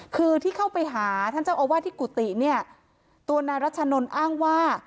คือที่เข้าไปหาท่านเจ้าอาวาสที่กุฏิเนี่ยตัวนายรัชนนท์อ้างว่า